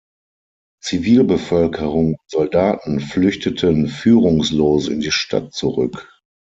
Zivilbevölkerung und Soldaten flüchteten führungslos in die Stadt zurück.